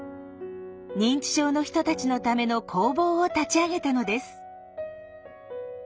認知症の人たちのための工房を立ち上げたのです。